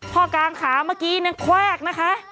กลางขาเมื่อกี้เนี่ยแวกนะคะ